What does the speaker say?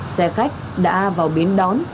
xe khách đã vào bến đón